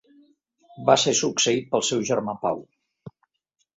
Va ser succeït pel seu germà Pau.